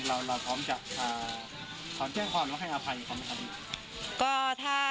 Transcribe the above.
เราพร้อมจะขอแจ้งความแล้วให้อภัยของคดี